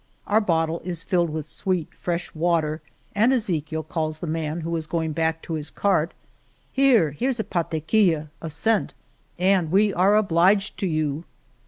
Our bottle is filled with sweet fresh water, and Ezechiel calls the man, who is going back to his cart :Here, here's a pataquilla" (a cent), " and we are obliged to you."